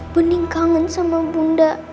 mending kangen sama bunda